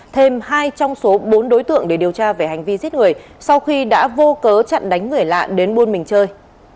thêm hai trong số bốn đối tượng để điều tra về hành vi giết người sau khi đã vô cớ chặn đánh người lạ đến buôn mình chơi